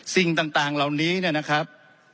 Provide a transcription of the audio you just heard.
สิ่งต่างเหล่านี้เนี่ยนะครับ